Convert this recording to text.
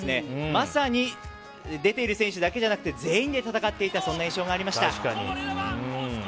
まさに出ている選手だけじゃなくて全員で戦っていた印象がありました。